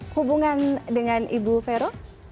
hubungan dengan ibu vero